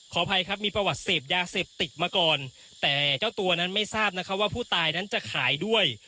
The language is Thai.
อภัยครับมีประวัติเสพยาเสพติดมาก่อนแต่เจ้าตัวนั้นไม่ทราบนะคะว่าผู้ตายนั้นจะขายด้วย